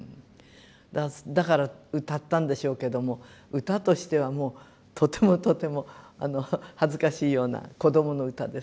だから歌ったんでしょうけども歌としてはもうとてもとても恥ずかしいような子どもの歌です。